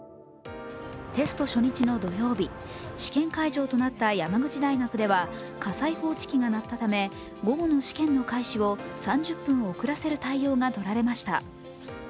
テスト初日の土曜日、試験会場となった山口大学では火災報知器が鳴ったため、午後の試験の開始を３０分遅らせる対応がとられました。